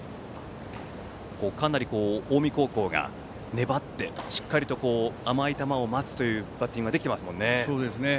かなり近江高校が粘ってしっかりと甘い球を待つというバッティングができていますもんね。